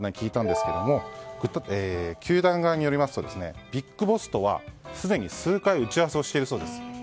球団側によりますとＢＩＧＢＯＳＳとはすでに数回打ち合わせをしているそうです。